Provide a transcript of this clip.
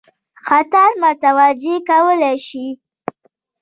خطر متوجه کولای شي.